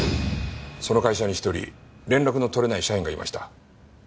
その会社に１人連絡の取れない社員がいました。